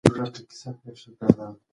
د ښو اخلاقو رعایت د جنګ مخه نیسي.